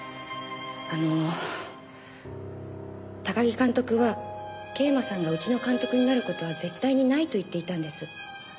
あの高木監督は桂馬さんがうちの監督になる事は絶対にないと言っていたんです。